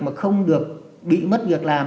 mà không được bị mất việc làm